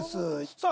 さあ